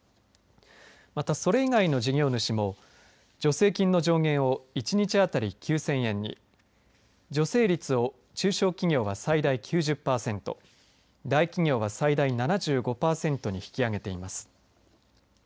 また、それ以外の事業主も助成金の上限を１日当たり９０００円に助成率を中小企業は最大９０パーセント大企業は最大７５パーセントに引き上げています。